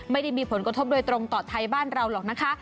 ไม่ได้มีผลกระทบโดยตรงต่อไทยบ้านเราหรอกนะคะ